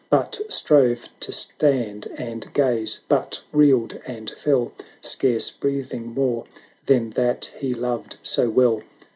But strove to stand and gaze, but reeled and fell, Scarce breathing more than that he loved so well.